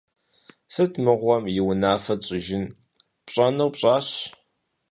Сыт мыгъуэм и унафэ тщӏыжын? Пщӏэнур пщӏащ.